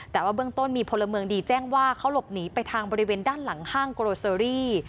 แต่ว่าเบื้องต้นมีพลเมืองดีแจ้งว่าเขาหลบหนีไปทางบริเวณด้านหลังห้างโกโรเซอรี่